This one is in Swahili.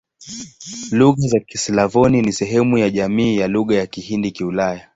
Lugha za Kislavoni ni sehemu ya jamii ya Lugha za Kihindi-Kiulaya.